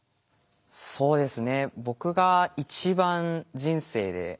そうですね。